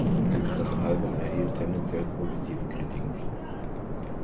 Das Album erhielt tendenziell positive Kritiken.